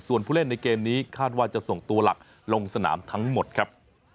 ส่วนผู้เล่นในเกมนี้คาดว่าจะส่งตัวหลักลงสนามทั้งหมดครับ